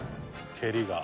蹴りが」